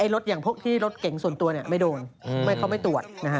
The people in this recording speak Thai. รถอย่างพวกที่รถเก๋งส่วนตัวไม่โดนเขาไม่ตรวจ